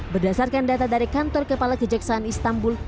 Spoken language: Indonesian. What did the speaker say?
berdasarkan data dari kantor kepala kejaksaan istanbul